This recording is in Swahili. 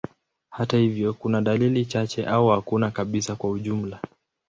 Hata hivyo, kuna dalili chache au hakuna kabisa kwa ujumla.